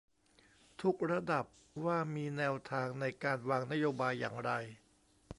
ทุกระดับว่ามีแนวทางในการวางนโยบายอย่างไร